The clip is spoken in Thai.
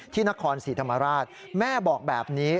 ที่นครศรีธรรมราชแม่บอกแบบนี้